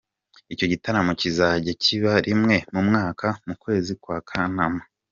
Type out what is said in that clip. Icyo gitaramo kikazajya kiba rimwe mu mwaka mu kwezi kwa Kanama.